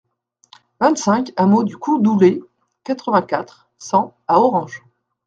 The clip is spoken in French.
vingt-cinq hameau du Coudoulet, quatre-vingt-quatre, cent à Orange